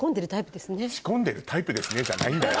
「仕込んでるタイプですね」じゃないんだよ